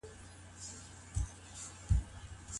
ډوډۍ بې اوړو نه پخېږي.